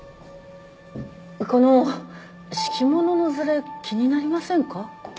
この敷物のずれ気になりませんか？